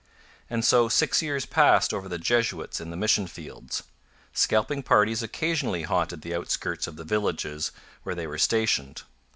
And so six years passed over the Jesuits in the mission fields. Scalping parties occasionally haunted the outskirts of the villages where they were stationed.